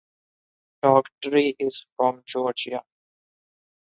Daughtry is from Georgia.